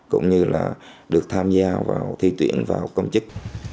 cũng như là được tham gia vào thi tuyển vào công chức